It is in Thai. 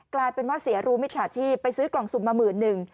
กลายเป็นว่าเสียรู้มิจฉาชีพไปซื้อกล่องสุ่มมาหมื่นหนึ่ง